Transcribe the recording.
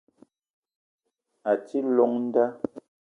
Me ti i llong nda